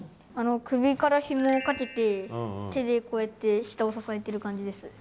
首からひもをかけて手でこうやって下を支えてる感じです。